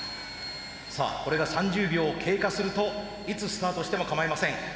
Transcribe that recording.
さあこれが３０秒経過するといつスタートしてもかまいません。